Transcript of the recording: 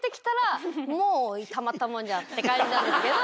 もう。って感じなんですけど。